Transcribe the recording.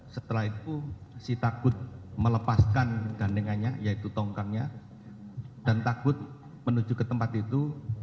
setelah itu si takut melepaskan gandengannya yaitu tongkangnya dan takut menuju ke tempat itu